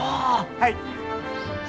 はい。